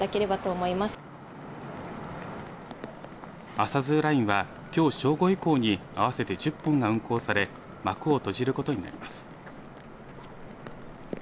アサズーラインはきょう正午以降に合わせて１０本が運行され幕を閉じることになります。